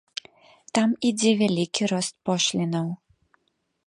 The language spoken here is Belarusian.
Там ідзе вялікі рост пошлінаў.